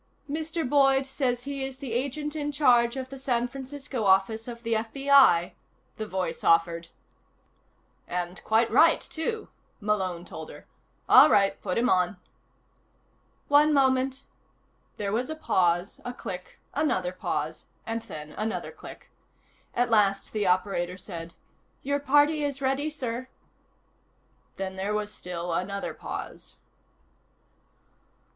"Mr. Boyd says he is the Agent in Charge of the San Francisco office of the FBI," the voice offered. "And quite right, too," Malone told her. "All right. Put him on." "One moment," There was a pause, a click, another pause and then another click. At last the operator said: "Your party is ready, sir." Then there was still another pause.